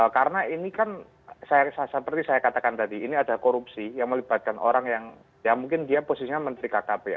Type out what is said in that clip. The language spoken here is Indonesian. karena ini kan seperti saya katakan tadi ini ada korupsi yang melibatkan orang yang mungkin dia posisinya menteri kkp ya